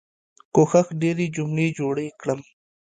کوښښ ډيرې جملې جوړې کړم.